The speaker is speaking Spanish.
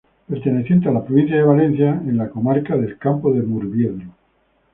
Perteneciente a la provincia de Valencia, en la comarca del Campo de Murviedro.